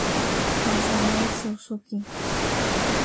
Masanori Suzuki